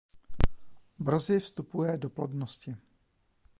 Brzy vstupuje do plodnosti.